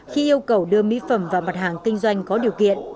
khi yêu cầu đưa mỹ phẩm vào mặt hàng kinh doanh có điều kiện